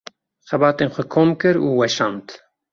Xebatên xwe kom kir û weşand.